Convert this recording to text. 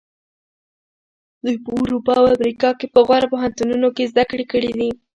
دوی په اروپا او امریکا کې په غوره پوهنتونونو کې زده کړې کړې دي.